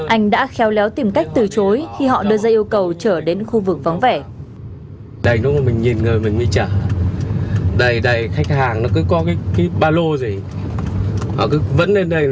anh đã khéo léo tìm cách từ chối khi họ đưa ra yêu cầu trở đến khu vực vắng vẻ